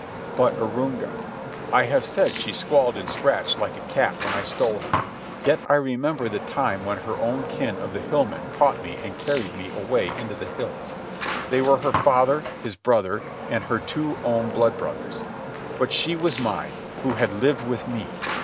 But Arunga. I have said she squalled and scratched like a cat when I stole her. Yet I remember the time when her own kin of the Hill Men caught me and carried me away into the hills. They were her father, his brother, and her two own blood brothers. But she was mine, who had lived with me.